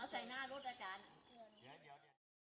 เวียนหัวไม่มาหรอกลูกไม่มาหรอก